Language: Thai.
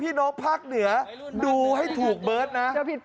ไว้รุ่นภาคเหนือดูแลหน่อยครับ